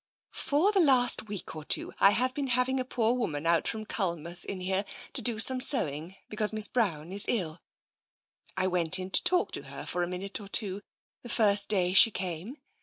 " For the last week or two I have been having a poor woman out from Culmouth in here to do some sewing, because Miss Brown is ill. I went in to talk to her for a minute or two, the first day she came.